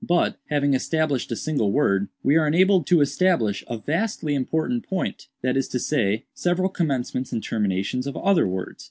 "But, having established a single word, we are enabled to establish a vastly important point; that is to say, several commencements and terminations of other words.